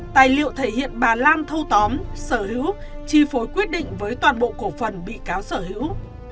tài liệu thể hiện bà lan thâu tóm sở hữu chi phối quyết định với toàn bộ cổ phần bị cáo sở hữu